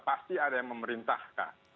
pasti ada yang memerintahkan